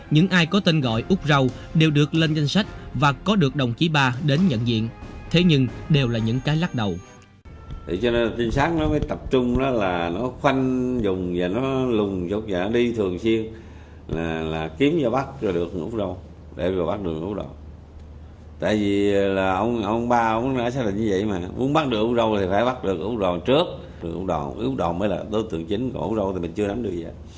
những ai có tên gọi úc râu đều được lên danh sách và có được đồng chí ba đến nhận diện thế nhưng đều là những cái lắc đầu